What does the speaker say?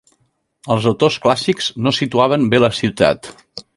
Els autors clàssics no situaven bé la ciutat.